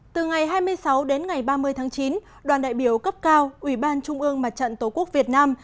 từ ngày hai mươi sáu đến ngày ba mươi tháng chín đoàn đại biểu cấp cao ủy ban trung ương mặt trận tổ quốc việt nam